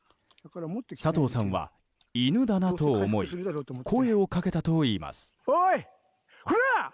佐藤さんは犬だなと思い声をかけたといいます。